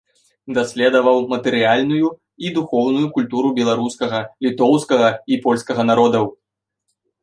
Даследаваў матэрыяльную і духоўную культуру беларускага, літоўскага і польскага народаў.